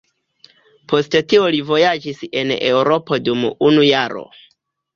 Post tio li vojaĝis en Eŭropo dum unu jaro.